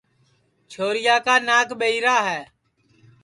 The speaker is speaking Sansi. چھورِیا کا ناک ٻہیرا ہے